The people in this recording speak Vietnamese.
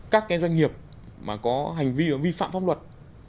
các doanh nghiệp có hành vi vi phạm pháp luật